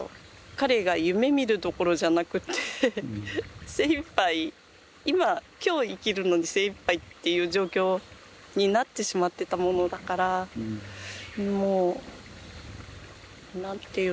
彼が夢みるどころじゃなくて精いっぱい今今日生きるのに精いっぱいっていう状況になってしまってたものだからもう何て言うんだろう。